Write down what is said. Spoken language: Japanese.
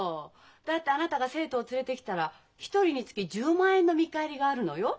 だってあなたが生徒を連れてきたら１人につき１０万円の見返りがあるのよ。